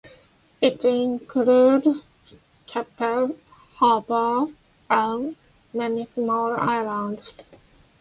It includes Keppel Harbour and many small islands.